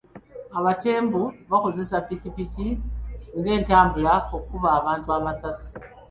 Abatembu bakozesa ppikipiki ng'entambula okukuba abantu amasasi.